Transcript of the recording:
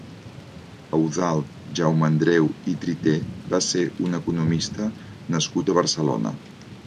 Eudald Jaumeandreu i Triter va ser un economista nascut a Barcelona.